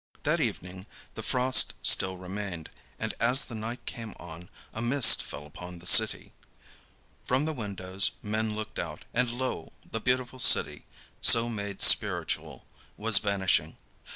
That evening the frost still remained, and as the night came on a mist fell upon the city. From the windows men looked out, and lo! the beautiful city so made spiritual was vanishing.